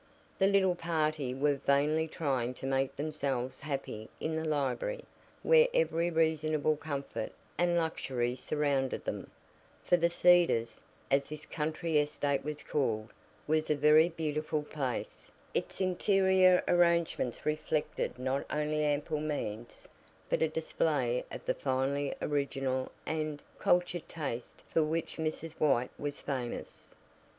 The little party were vainly trying to make themselves happy in the library, where every reasonable comfort and luxury surrounded them, for The Cedars, as this country estate was called, was a very beautiful place, its interior arrangements reflected not only ample means, but a display of the finely original and cultured taste for which Mrs. White was famous.